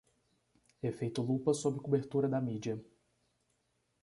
Efeito lupa sob cobertura da mídia